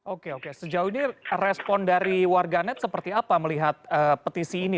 oke oke sejauh ini respon dari warganet seperti apa melihat petisi ini